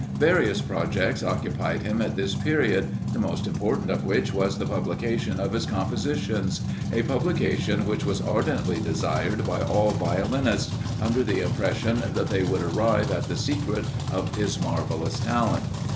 Various projects occupied him at this period, the most important of which was the publication of his compositions a publication which was ardently desired by all violinists, under the impression that they would arrive at the secret of his marvellous talent.